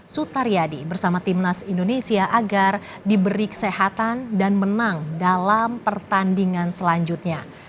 sutariadi bersama timnas indonesia agar diberi kesehatan dan menang dalam pertandingan selanjutnya